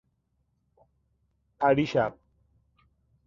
پریشب